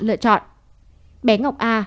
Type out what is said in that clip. lựa chọn bé ngọc a